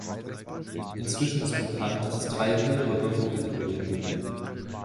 Inzwischen ist bekannt, dass es drei höhere Würfelkategorien gibt.